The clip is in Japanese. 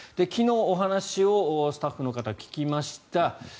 昨日、お話をスタッフの方が聞きました。